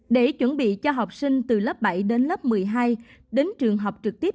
để chuẩn bị cho học sinh từ lớp bảy đến lớp một mươi hai đến trường học trực tiếp